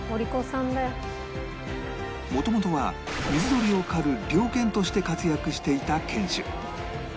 元々は水鳥を狩る猟犬として活躍していた犬種